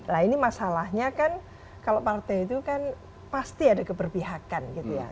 nah ini masalahnya kan kalau partai itu kan pasti ada keberpihakan gitu ya